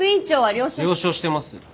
了承してます。